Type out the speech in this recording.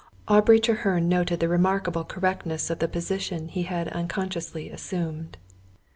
Aubrey Treherne noted the remarkable correctness of the position he had unconsciously assumed.